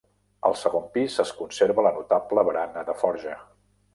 Al segon pis es conserva la notable barana de forja.